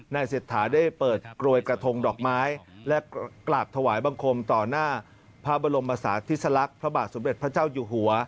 เศรษฐาได้เปิดกรวยกระทงดอกไม้และกราบถวายบังคมต่อหน้าพระบรมศาสติสลักษณ์พระบาทสมเด็จพระเจ้าอยู่หัว